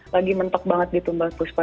lagi mentok banget gitu mbak puspa